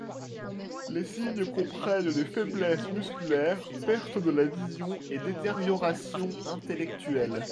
Les signes comprennent des faiblesses musculaires, perte de la vision et détérioration intellectuelle.